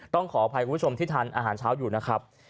ขออภัยคุณผู้ชมที่ทานอาหารเช้าอยู่นะครับ